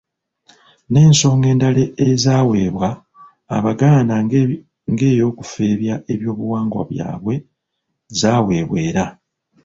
N’ensonga endala ezaweebwa Abaganda ng’eyokufeebya ebyobuwangwa byabwe zaaweebwa era